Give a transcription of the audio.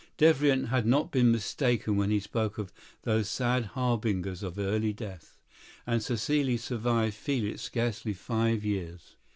Devrient had not been mistaken when he spoke of "those sad harbingers of early death;" and Cécile survived Felix scarcely five years.